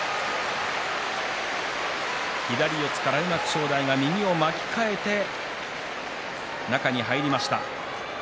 左四つからうまく正代が右を巻き替えて中に入りました。